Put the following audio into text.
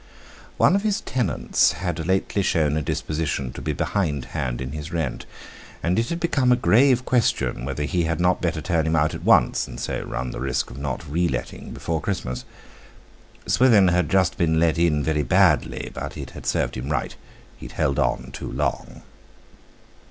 One of his tenants had lately shown a disposition to be behind hand in his rent, and it had become a grave question whether he had not better turn him out at once, and so run the risk of not re letting before Christmas. Swithin had just been let in very badly, but it had served him right—he had held on too long.